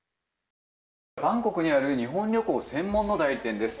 バンコクにある日本旅行専門の代理店です。